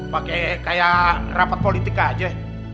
pakai kayak rapat politik aja